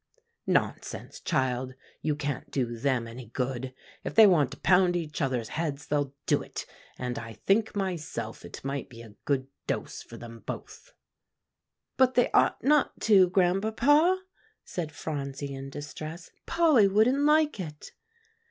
"Nonsense, child; you can't do them any good. If they want to pound each other's heads they'll do it; and I think myself it might be a good dose for them both." "But they ought not to, Grandpapa," said Phronsie in distress. "Polly wouldn't like it."